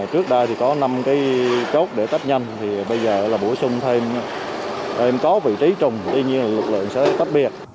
trước đây thì có năm cái chốt để tách nhanh thì bây giờ là bổ sung thêm em có vị trí trùng tuy nhiên lực lượng sẽ tách biệt